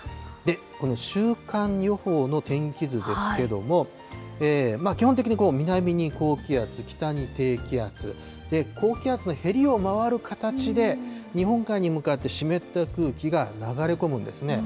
この週間予報の天気図ですけども、基本的に南に高気圧、北に低気圧、高気圧のへりを回る形で、日本海に向かって湿った空気が流れ込むんですね。